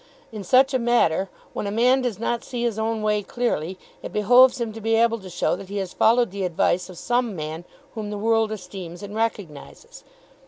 In such a matter, when a man does not see his own way clearly, it behoves him to be able to show that he has followed the advice of some man whom the world esteems and recognises.